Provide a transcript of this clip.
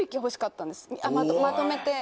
まとめて。